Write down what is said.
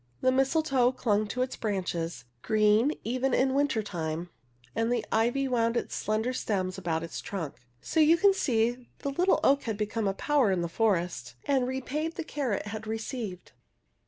The mistletoe clung to its branches, e BunOAK. green even in winter time, and the "ivy wound its slender stems about its trunk. So you see the little oak had become a power in the forest and repaid the care it had received.